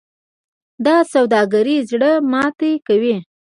دا سوداګر زړه ماتې کوي.